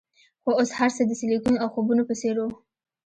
خو اوس هرڅه د سیلیکون او خوبونو په څیر وو